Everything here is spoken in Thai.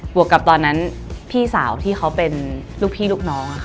วกกับตอนนั้นพี่สาวที่เขาเป็นลูกพี่ลูกน้อง